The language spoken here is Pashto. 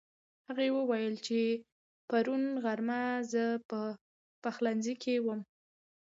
هغې وويل چې پرون غرمه زه په پخلنځي کې وم